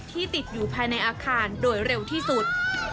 ที่ติดอยู่ภายในอาคารโดยเร็วที่สุด